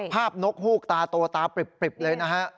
ภาพนกหู้ตาตัวตาปริบเลยนะครับ